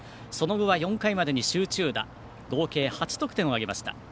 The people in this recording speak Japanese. ４回までに集中打、合計８得点を挙げました。